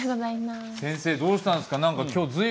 先生どうしたんですか？